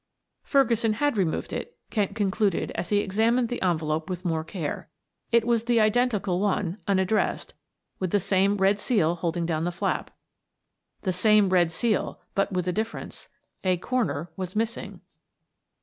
Ferguson had removed it, Kent concluded as he examined the envelope with more care; it was the identical one, unaddressed, with the same red seal holding down the flap. The same red seal, but with a difference a corner was missing.